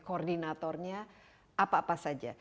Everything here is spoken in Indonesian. koordinatornya apa apa saja